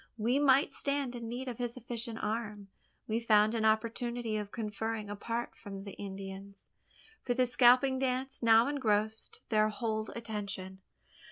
We might stand in need of his efficient arm. We found an opportunity of conferring apart from the Indians for the scalp dance now engrossed their whole attention.